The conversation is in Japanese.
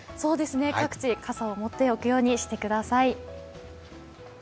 各地、傘を持っておくようにしてください。